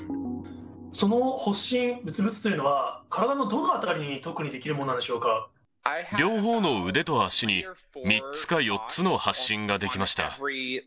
その発疹、ぶつぶつというのは体のどの辺りに特に出来るもの両方の腕と足に３つか４つの発疹が出来ました。